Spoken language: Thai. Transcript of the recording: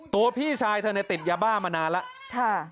พี่ชายเธอเนี่ยติดยาบ้ามานานแล้ว